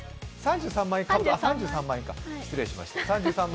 ３３万円のかぶとか、失礼しました。